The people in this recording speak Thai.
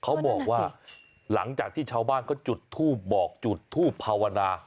เขาบอกว่าหลังจากที่ชาวบ้านเขาจุดทูบบอกจุดทูปภาวนา